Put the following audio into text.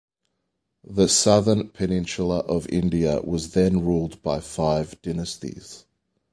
The southern peninsula of India was then ruled by five dynasties.